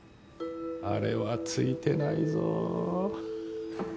あれはついてないぞ。